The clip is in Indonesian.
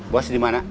bos di mana